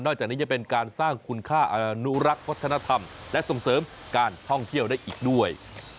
จากนี้จะเป็นการสร้างคุณค่าอนุรักษ์วัฒนธรรมและส่งเสริมการท่องเที่ยวได้อีกด้วย